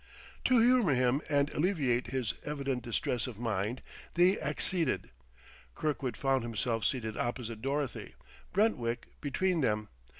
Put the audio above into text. To humor him and alleviate his evident distress of mind, they acceded. Kirkwood found himself seated opposite Dorothy, Brentwick between them.